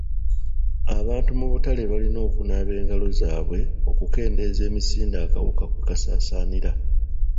Abantu mu butale balina okunaaba engalo zaabwe okukendeeza emisinde akawuka kwe kasaasaanira.